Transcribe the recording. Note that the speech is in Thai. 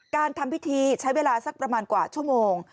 การทำพิธีใช้เวลาสักประมาณกว่าชั่วโมง